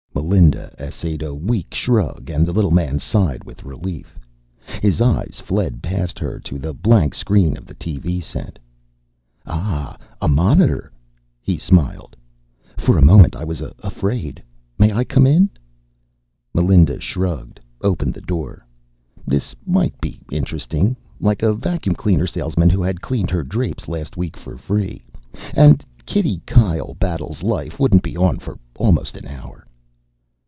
Melinda essayed a weak shrug and the little man sighed with relief. His eyes fled past her to the blank screen of the TV set. "Ah, a monitor." He smiled. "For a moment I was afraid May I come in?" Melinda shrugged, opened the door. This might be interesting, like a vacuum cleaner salesman who had cleaned her drapes last week for free. And Kitty Kyle Battles Life wouldn't be on for almost an hour.